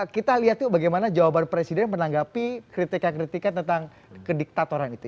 kita lihat tuh bagaimana jawaban presiden menanggapi kritika kritika tentang kediktatoran itu